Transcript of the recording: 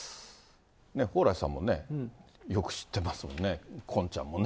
蓬莱さんもね、よく知ってますもんね、昆ちゃんもね。